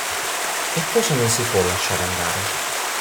E cosa non si può lasciare andare?